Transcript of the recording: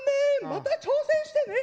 また、挑戦してね！